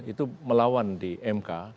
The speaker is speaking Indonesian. itu melawan di mk